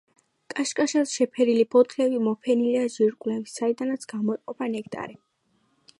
კაშკაშად შეფერილი ფოთლები მოფენილია ჯირკვლებით, საიდანაც გამოიყოფა ნექტარი.